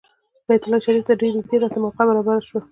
بیت الله شریفې ته ډېر نږدې راته موقع برابره شوه.